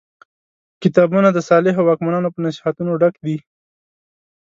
کتابونه د صالحو واکمنانو په نصیحتونو ډک دي.